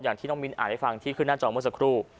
อย่างที่น้องมิ้นอ่านให้ฟังที่ขึ้นหน้าจอเมื่อสักครู่